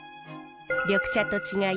緑茶と違い